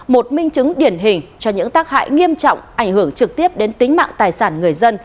một minh chứng điển hình cho những tác hại nghiêm trọng ảnh hưởng trực tiếp đến tính mạng tài sản người dân